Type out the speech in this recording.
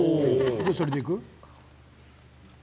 それでいく。